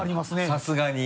さすがに。